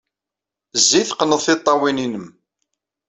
Zzi, teqqned tiṭṭawin-nnem.